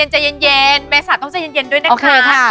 ใจเย็นเมษาต้องใจเย็นด้วยนะคะ